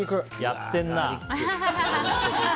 やってんな。